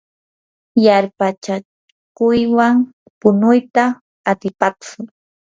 yarpachakuywan punuyta atipatsu.